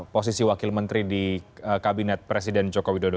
posisi wakil menteri di kabinet presiden joko widodo